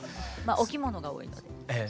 お着物が多いので。